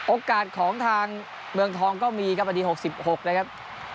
โอกาสของทางเมืองทองก็มีครับอดีต๖๖นะครับ